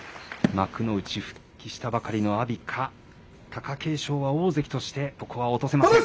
幕内復帰したばかりの阿炎か、貴景勝は大関として、ここは落とせません。